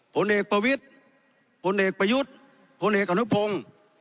ผลเอกประวิทธิ์พลเอกประยุทธ์พลเอกอนุพงศ์